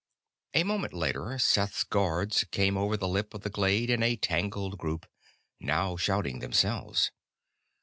A moment later, Seth's guards came over the lip of the glade in a tangled group, now shouting themselves.